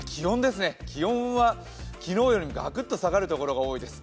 気温は昨日よりもガクッと下がるところが多いです。